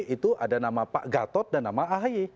itu ada nama pak gatot dan nama ahy